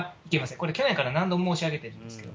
これ、去年から何度も申し上げてるんですけど。